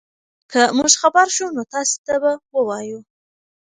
که موږ خبر شو نو تاسي ته به ووایو.